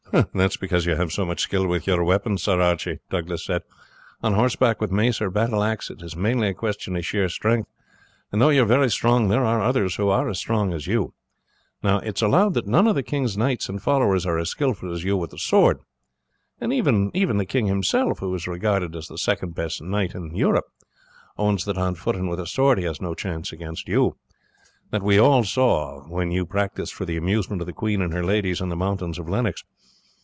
"That is because you have so much skill with your weapon, Sir Archie," Douglas said. "On horseback with mace or battleaxe it is mainly a question of sheer strength, and though you are very strong there are others who are as strong as you. Now, it is allowed that none of the king's knights and followers are as skilful as you with the sword, and even the king himself, who is regarded as the second best knight in Europe, owns that on foot and with a sword he has no chance against you. That we all saw when you practiced for the amusement of the queen and her ladies in the mountains of Lennox.